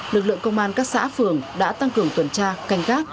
lực lượng công an các xã phường đã tăng cường tuần tra canh gác